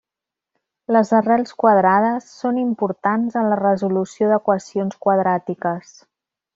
Les arrels quadrades són importants en la resolució d'equacions quadràtiques.